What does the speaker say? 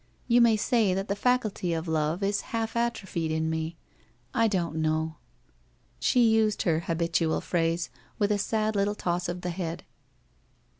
— you may say that the faculty of love is half atrophied in me. I don't know !' She used her habitual phrase with a sad little toss of the head.